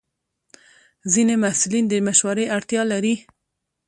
ځینې محصلین د مشورې اړتیا لري.